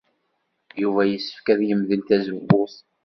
Yuba yessefk ad yemdel tazewwut?